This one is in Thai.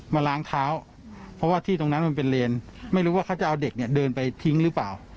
มาล้างเท้าเพราะว่าที่ตรงนั้นมันเป็นเลนไม่รู้ว่าเขาจะเอาเด็กเนี่ยเดินไปทิ้งหรือเปล่า